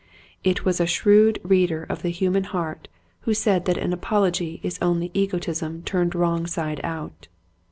It was a shrewd reader of the human heart who said that an apology is only egotism turned wrong side out.